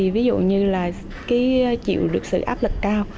ví dụ như là chịu được sự áp lực cao